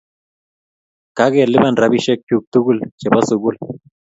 Kakelipan rapisyek chuk tukul che po sukul